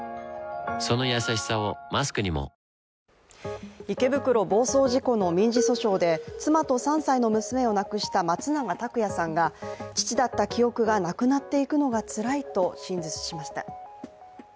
そのやさしさをマスクにも池袋暴走事故の民事訴訟で妻と３歳の娘を亡くした松永拓也さんが、父だった記憶がなくなっていくのがつらいと陳述しました。